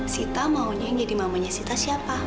sita maunya yang jadi mamanya sita siapa